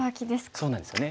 そうなんですよね。